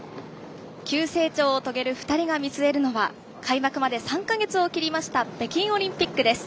急成長を遂げる２人が見据えるのは開幕まで３か月を切りました北京オリンピックです。